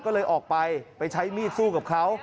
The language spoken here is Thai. ก็เลยออกไปไปใช้มีดสู้กับเขา